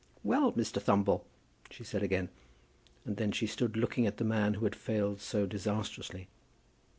"Well, Mr. Thumble?" she said again; and then she stood looking at the man who had failed so disastrously.